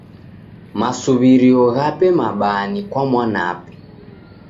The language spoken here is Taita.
Masuw'irio ghape mabaa ni kwa mwanape.